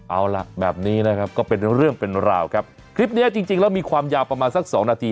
เอาล่ะแบบนี้นะครับก็เป็นเรื่องเป็นราวครับคลิปเนี้ยจริงจริงแล้วมีความยาวประมาณสักสองนาที